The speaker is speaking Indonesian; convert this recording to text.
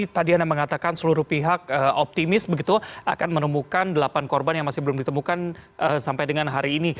tadi anda mengatakan seluruh pihak optimis begitu akan menemukan delapan korban yang masih belum ditemukan sampai dengan hari ini